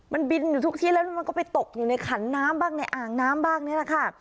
มันบินอยู่ทุกที่แล้วมันก็ไปตกอยู่ในขันน้ำบ้างในอ่างน้ำบ้างนี่แหละค่ะ